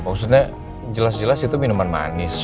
maksudnya jelas jelas itu minuman manis